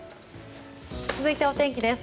続いてお天気です。